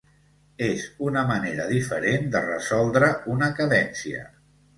És una manera diferent de resoldre una cadència.